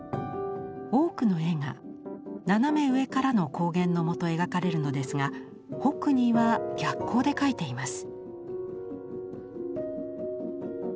多くの絵が斜め上からの光源のもと描かれるのですがホックニーは逆光で描いています。